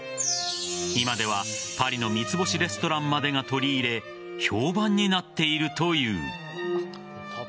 今ではパリの三つ星レストランまでが取り入れ評判になっているという。